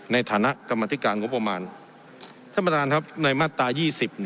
ในฐานะกรรมธิการงบประมาณท่านประธานครับในมาตรายี่สิบ